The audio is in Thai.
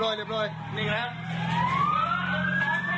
พวกที่แกเป็นคนชาวมี